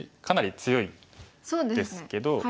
かなり強いですけど。